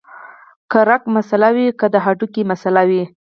کۀ رګ مسئله وي او کۀ د هډوکي مسئله وي